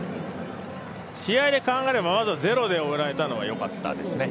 試合で考えれば、まず０で終えられたのがよかったですね。